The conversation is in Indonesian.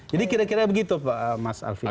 jadi kira kira begitu pak mas alfito